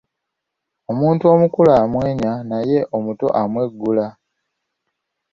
Omuntu omukulu amwenya naye ate omuto amwegula.